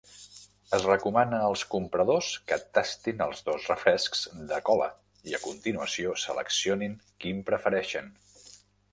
Es recomana als compradors que tastin els dos refrescs de cola i, a continuació, seleccionin quin prefereixen.